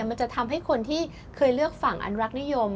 มันจะทำให้คนที่เคยเลือกฝั่งอันรักนิยม